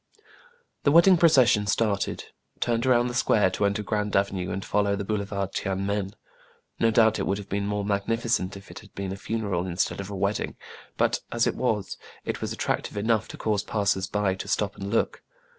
The wedding procession started, turned around the square to enter Grand Avenue, and follow the boulevard Tiene Men. No doubt it would have been more magnificent if it had been a funeral instead of a wedding; but, as it was, it was attrac tive enough to cause passers by to stop and look.